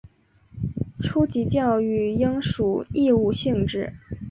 初级教育应属义务性质。